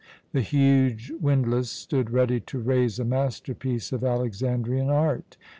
The huge windlass stood ready to raise a masterpiece of Alexandrian art.